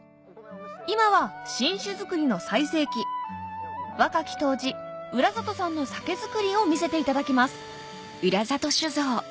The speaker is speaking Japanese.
今は新酒造りの最盛期若き杜氏浦里さんの酒造りを見せていただきます